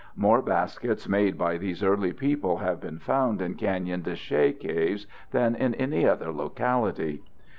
More baskets made by these early people have been found in Canyon de Chelly caves than in any other locality.